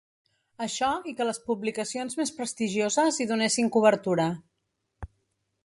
Això i que les publicacions més prestigioses hi donessin cobertura.